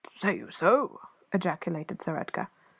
"Say you so?" ejaculated Sir Edgar.